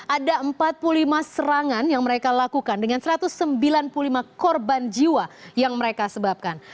ada empat puluh lima serangan yang mereka lakukan dengan satu ratus sembilan puluh lima korban jiwa yang mereka sebabkan